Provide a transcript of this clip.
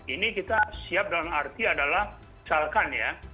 ini kita siap dalam arti adalah misalkan ya